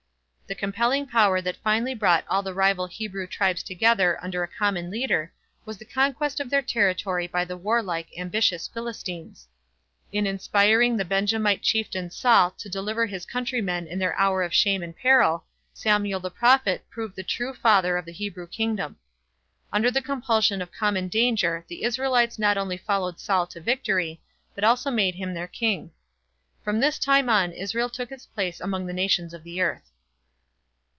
The compelling power that finally brought all the rival Hebrew tribes together under a common leader was the conquest of their territory by the warlike, ambitious Philistines. In inspiring the Benjamite chieftain Saul to deliver his countrymen in their hour of shame and peril, Samuel the prophet proved the true father of the Hebrew kingdom. Under the compulsion of common danger the Israelites not only followed Saul to victory, but also made him their king. From this time on Israel took its place among the nations of the earth.